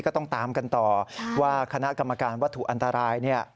ก็ต้องตามกันต่อว่าคณะกรรมการวัตถุอันตรายเนี่ย